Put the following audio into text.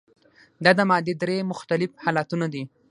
دا د مادې درې مختلف حالتونه دي.